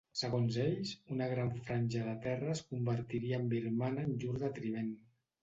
Segons ells, una gran franja de terra es convertiria en birmana en llur detriment.